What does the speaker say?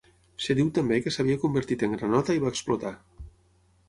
Es diu també que s'havia convertit en granota i va explotar.